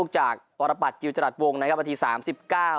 จากอรปัตจิลจรัสวงนะครับนาทีสามสิบเก้า